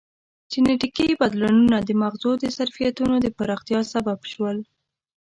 جینټیکي بدلونونه د مغزو د ظرفیتونو د پراختیا سبب شول.